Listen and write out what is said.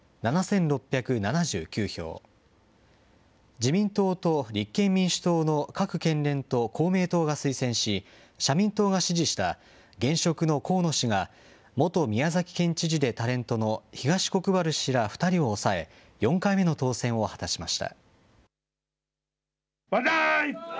自民党と立憲民主党の各県連と公明党が推薦し、社民党が支持した現職の河野氏が、元宮崎県知事でタレントの東国原氏ら２人を抑え、４回目の当選を果たしました。